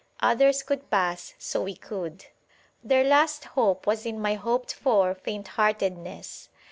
Others could pass, so we could. Their last hope was in my hoped for faintheartedness.